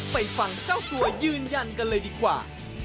ไปฟังเจ้าตัวยืนยันกันเลยดีกว่า